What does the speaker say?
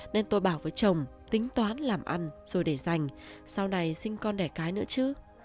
nên tôi bảo với chồng tính toán làm ăn rồi để dành sau này sinh con đẻ cái nữa chứ